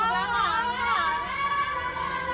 สวัสดีครับ